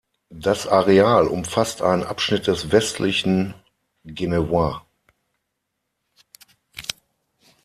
Das Areal umfasst einen Abschnitt des westlichen Genevois.